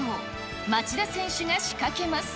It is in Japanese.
町田選手が仕掛けます。